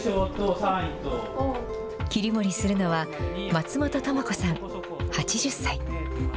切り盛りするのは、松本トモ子さん８０歳。